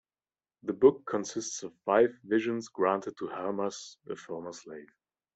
The book consists of five visions granted to Hermas, a former slave.